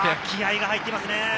気合が入っていますね。